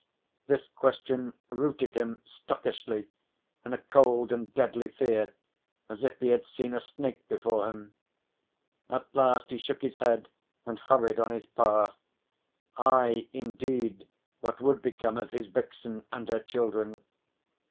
This question rooted him stockishly in a cold and deadly fear as if he had seen a snake before him. At last he shook his head and hurried on his path. Aye, indeed, what would become of his vixen and her children?